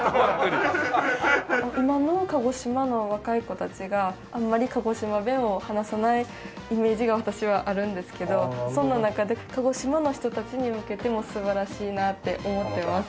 今の鹿児島の若い子たちがあんまり鹿児島弁を話さないイメージが私はあるんですけどその中で鹿児島の人たちに向けても素晴らしいなって思ってます。